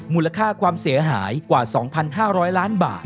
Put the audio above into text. มูลค่าความเสียหายกว่า๒๕๐๐ล้านบาท